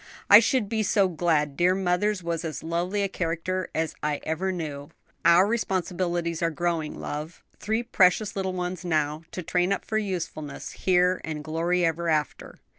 "I should be so glad, dear mother's was as lovely a character as I ever knew." "Our responsibilities are growing, love: three precious little ones now to train up for usefulness here and glory hereafter."